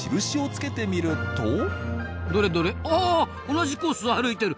同じコースを歩いてる。